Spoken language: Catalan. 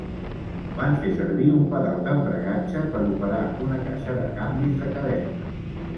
Van fer servir un pedal d'embragatge per operar una caixa de canvis de cadena.